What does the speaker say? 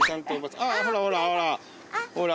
アアほらほらほら。